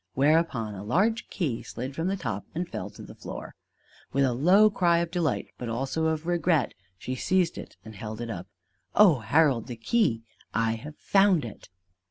Whereupon a large key slid from the top and fell to the floor. With a low cry of delight but of regret also she seized it and held it up: "Oh, Harold, the key! I have found it!"